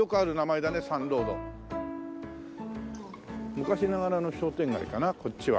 昔ながらの商店街かなこっちは。